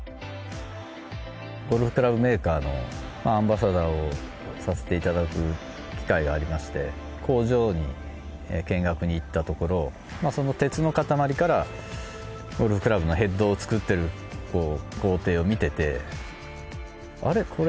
ゴルフクラブメーカーのアンバサダーをさせていただく機会がありまして工場に見学に行ったところその鉄の塊からゴルフクラブのヘッドを作っている工程を見ててあれ？